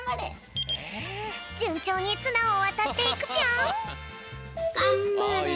じゅんちょうにつなをわたっていくぴょん！